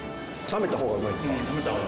冷めた方がうまいっすか？